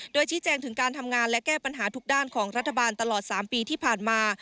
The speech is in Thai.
โดยชี้แจงถึงการทำงานและแก้ปัญหาทุกด้านของรัฐบาลตลอด๓ปีที่ผ่านมา